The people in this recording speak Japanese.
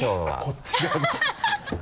こっち側の